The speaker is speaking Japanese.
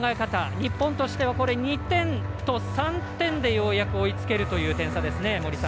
日本としては、２点と３点でようやく追いつけるという点差ですね。